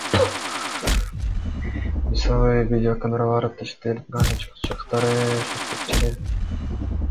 Мисалы, Видеокамералар, аттиштер, газ ачкычтары, шакекчелер.